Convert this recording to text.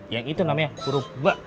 yang itu namanya huruf ba